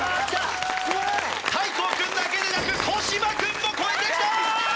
大光君だけでなく小柴君も超えてきた！